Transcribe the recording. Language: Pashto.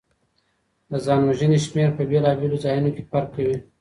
د ځان وژنې شمېر په بیلابیلو ځایونو کي فرق کوي.